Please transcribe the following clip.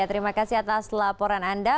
terima kasih atas laporan anda